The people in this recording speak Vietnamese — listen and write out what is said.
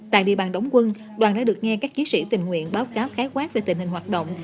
tại địa bàn đóng quân đoàn đã được nghe các chiến sĩ tình nguyện báo cáo khái quát về tình hình hoạt động